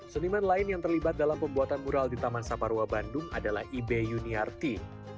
seniman lain yang terlibat dalam pembuatan mural di taman saparwa bandung adalah ibe yuniarti